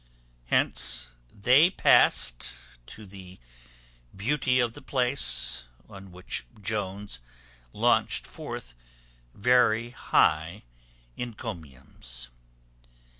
Hence they past to the beauty of the place, on which Jones launched forth very high encomiums.